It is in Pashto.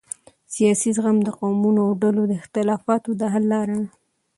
سیاسي زغم د قومونو او ډلو د اختلافاتو د حل لاره ده